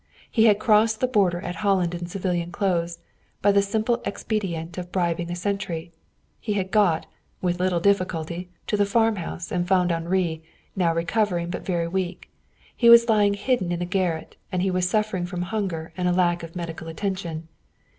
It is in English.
He had crossed the border at Holland in civilian clothes, by the simple expedient of bribing a sentry. He had got, with little difficulty, to the farmhouse, and found Henri, now recovering but very weak; he was lying hidden in a garret, and he was suffering from hunger and lack of medical attention.